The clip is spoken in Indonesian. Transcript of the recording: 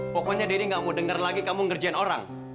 pokoknya deddy gak mau denger lagi kamu ngerjain orang